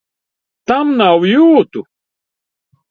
Tam nav jūtu!